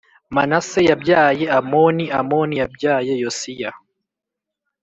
, Manase yabyaye Amoni, Amoni yabyaye Yosiya